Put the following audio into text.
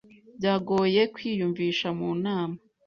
Byamugoye kwiyumvisha mu nama.